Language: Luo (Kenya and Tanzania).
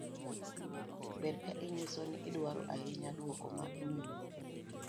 ber ka inyiso ni idwaro ahinya duoko ma imiyi